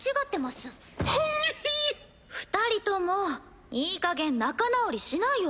二人ともいいかげん仲直りしなよ。